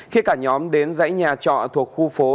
khi cả nhóm đến dãy nhà trọ thuộc khu phố